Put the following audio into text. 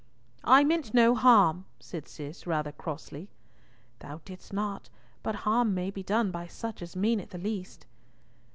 "I meant no harm," said Cis; rather crossly. "Thou didst not, but harm may be done by such as mean it the least."